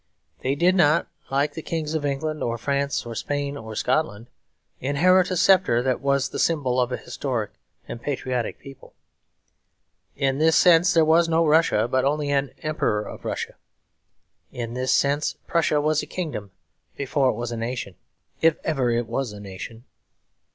They did not, like the kings of England or France or Spain or Scotland, inherit a sceptre that was the symbol of a historic and patriotic people. In this sense there was no Russia but only an Emperor of Russia. In this sense Prussia was a kingdom before it was a nation; if it ever was a nation.